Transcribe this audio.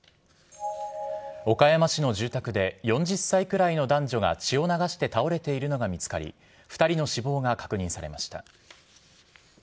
岡山市の住宅で４０歳くらいの男女が血を流して倒れているのが見つかり、２人の死亡が確認されました。